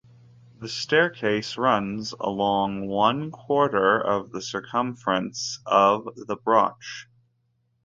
The staircase runs along one quarter of the circumference of the broch.